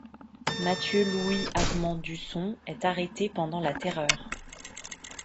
Mathieu Louis Armand d'Usson est arrêté pendant la Terreur.